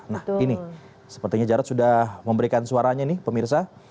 nah ini sepertinya jarod sudah memberikan suaranya nih pemirsa